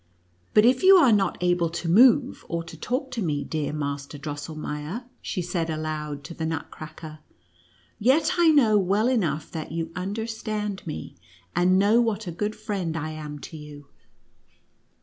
" But, if you are not able to move, or to talk to me, dear Master Drossel meier," she said aloud to the Nutcracker, " yet I know well enough that vou understand me, and know what a good friend I am to you.